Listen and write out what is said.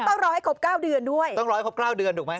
ต้องรอให้ครบ๙เดือนด้วยต้องรอให้ครบ๙เดือนถูกไหม